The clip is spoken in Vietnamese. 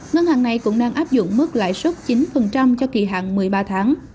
ngân hàng này cũng đang áp dụng mức lãi suất chín cho kỳ hạn một mươi ba tháng